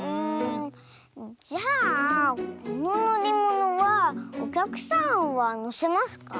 じゃあこののりものはおきゃくさんはのせますか？